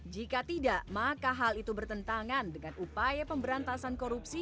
jika tidak maka hal itu bertentangan dengan upaya pemberantasan korupsi